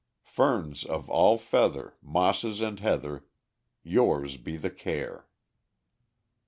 Ferns of all feather, Mosses and heather, Yours be the care!"